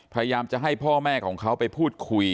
พยายามจะให้พ่อแม่ของเขาไปพูดคุย